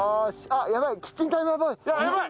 あっやばい！